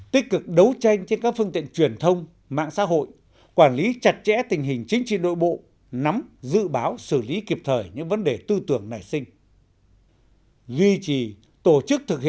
tích cực đấu tranh trên các phương tiện truyền thông mạng xã hội quản lý chặt chẽ tình hình chính trị nội bộ nắm dự báo xử lý kịp thời những vấn đề tư tưởng nảy sinh